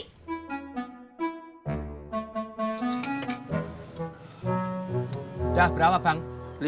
udah berapa bang